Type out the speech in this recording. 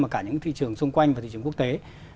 mà cả những thị trường xung quanh và thị trường quốc tế